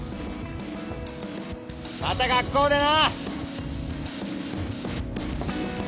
また学校でな！